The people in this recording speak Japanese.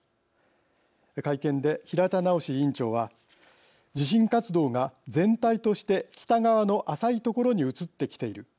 会見で平田直委員長は地震活動が全体として北側の浅い所に移ってきている。